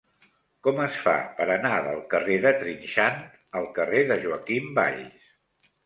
Com es fa per anar del carrer de Trinxant al carrer de Joaquim Valls?